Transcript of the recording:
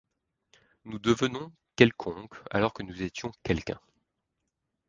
Nous devenons quelconques alors que nous étions quelqu'un.